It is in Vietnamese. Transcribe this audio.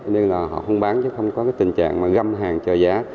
nên là họ không bán chứ không có cái tình trạng mà găm hàng chờ giá